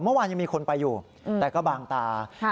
เมื่อวานยังมีคนไปอยู่แต่ก็บางตา